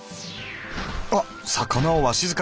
あっ魚をわしづかみ！